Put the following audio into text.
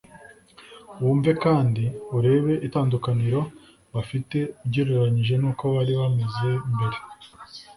wumve kandi urebe itandukaniro bafite ugereranyije n’uko bari bameze mbere